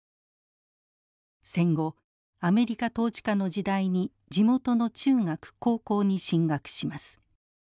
戦後アメリカ統治下の時代に地元の中学高校に進学します。